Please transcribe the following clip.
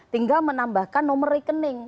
tinggal menambahkan nomor rekening